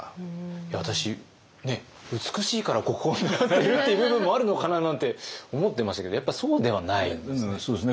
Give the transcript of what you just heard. いや私美しいから国宝になっているっていう部分もあるのかななんて思ってましたけどやっぱそうではないんですね。